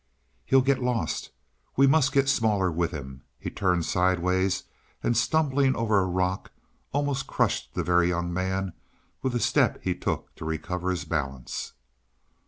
"He'll get lost. We must get smaller with him." He turned sidewise, and stumbling over a rock almost crushed the Very Young Man with the step he took to recover his balance.